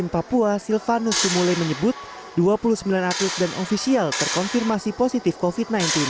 papua silvanus sumule menyebut dua puluh sembilan atlet dan ofisial terkonfirmasi positif covid sembilan belas